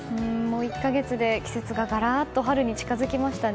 １か月で季節ががらっと春に近づきましたね。